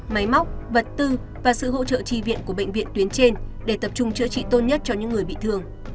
máy móc vật tư và sự hỗ trợ tri viện của bệnh viện tuyến trên để tập trung chữa trị tốt nhất cho những người bị thương